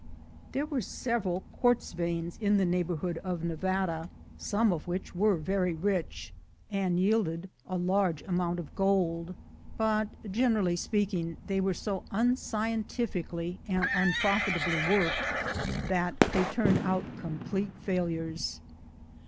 There were several quartz veins in the neighbor 185 186 THE GOLD HUNTERS hood of Nevada, some of which were very rich, and yielded a large amount of gold; but, generally speak ing, they were so unscientifically and unprofitably worked that they turned out complete failures.